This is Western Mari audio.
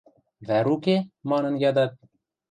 – Вӓр уке? – манын ядат.